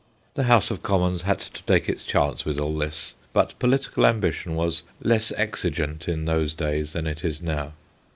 The House of Commons had to take its chance with all this, but political ambition was less exigent in those days than it is now.